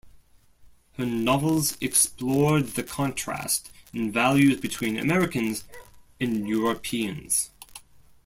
Her novels explored the contrast in values between Americans and Europeans.